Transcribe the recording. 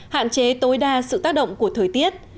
hạn chế tối đa sự tác động của thời tiết